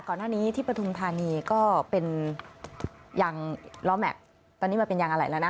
ก่อนหน้านี้ที่ปฐุมธานีก็เป็นยางล้อแม็กซ์ตอนนี้มันเป็นยางอะไรแล้วนะ